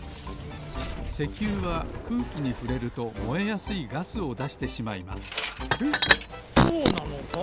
石油は空気にふれるともえやすいガスをだしてしまいますえっそうなのか？